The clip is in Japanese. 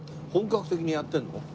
本格的にやってるの？